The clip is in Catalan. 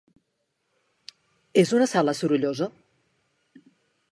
És una sala sorollosa?